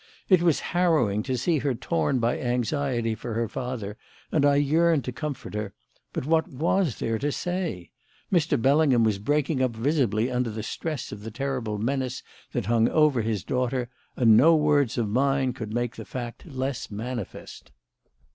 It was harrowing to see her torn by anxiety for her father, and I yearned to comfort her. But what was there to say? Mr. Bellingham was breaking up visibly under the stress of the terrible menace that hung over his daughter, and no words of mine could make the fact less manifest.